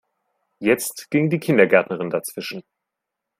Jetzt ging die Kindergärtnerin dazwischen.